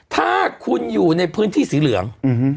ถ้าคุณอยู่ในพื้นที่สีเหลือง